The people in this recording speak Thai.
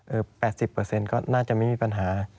๘๐ก็น่าจะไม่มีปัญหา